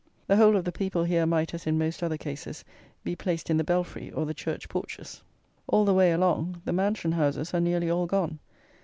The whole of the people here might, as in most other cases, be placed in the belfry, or the church porches. All the way along the mansion houses are nearly all gone.